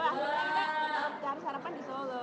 jadi kita harus harapkan di solo